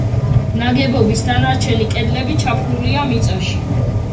ნაგებობის დანარჩენი კედლები ჩაფლულია მიწაში.